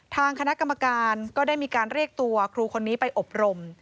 ทางคณะกรรมการก็ได้มีการเรียกตัวครูคนนี้ไปอบรม